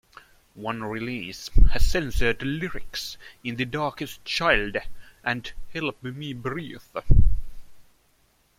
One release has censored lyrics in "The Darkest Childe" and "Help Me Breathe".